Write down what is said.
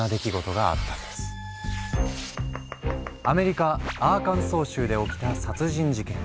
アメリカアーカンソー州で起きた殺人事件。